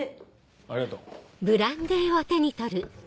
ありがとう。